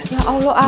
ya allah apaan